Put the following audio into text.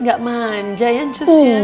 gak manja ya cus ya